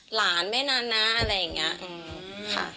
หลานไม่นานนะอะไรอย่างนี้ค่ะ